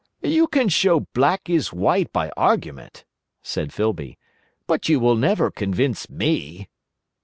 "You can show black is white by argument," said Filby, "but you will never convince me."